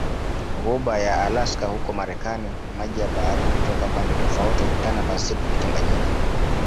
Ghuba ya Alaska huko Marekani maji ya bahari kutoka pande tofauti hukutana pasipo kuchanganyika